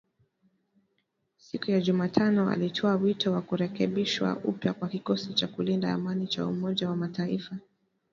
siku ya Jumatano alitoa wito wa kurekebishwa upya kwa kikosi cha kulinda amani cha Umoja wa Mataifa